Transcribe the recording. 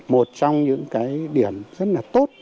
một trong những cái điểm rất là tốt